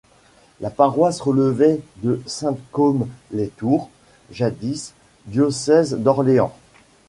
La paroisse relevait de Saint-Cosme-lès-Tours, jadis diocèse d'Orléans.